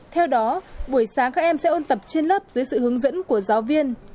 theo đó buổi sáng các em sẽ ôn tập trên lớp dưới sự hướng dẫn của giáo viên